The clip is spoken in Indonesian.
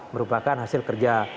merupakan hasil kerja